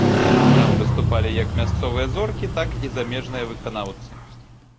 Там выступалі як мясцовыя зоркі, так і замежныя выканаўцы.